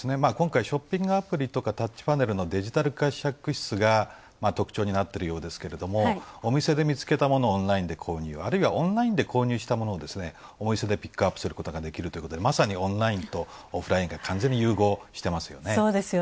今回、ショッピングアプリとかタッチパネルのデジタル試着室が特徴になっていますけど、お店で見つけたものをオンラインで購入、あるいはオンラインで購入したものをお店でピックアップすることができるということでまさにオンラインとオフラインが完全に融合してますよね。